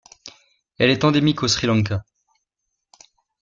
Elle est endémique au Sri Lanka.